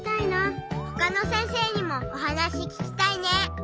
ほかの先生にもおはなしききたいね。